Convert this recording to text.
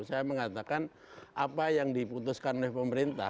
saya mengatakan apa yang diputuskan oleh pemerintah